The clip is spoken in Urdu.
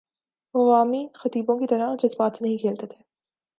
وہ عوامی خطیبوں کی طرح جذبات سے نہیں کھیلتے تھے۔